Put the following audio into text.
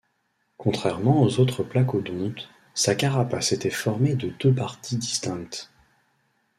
Contrairement aux autres placodontes, sa carapace était formée de deux parties distinctes.